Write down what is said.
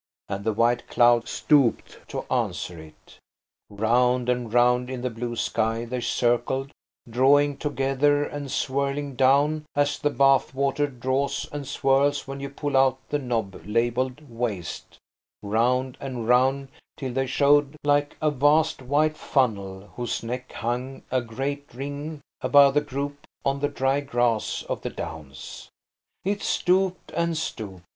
And the white clouds stooped to answer it. Round and round in the blue sky they circled, drawing together and swirling down, as the bath water draws and swirls when you pull up the knob labelled "Waste"–round and round till they showed like a vast white funnel whose neck hung, a great ring, above the group on the dry grass of the downs. It stooped and stooped.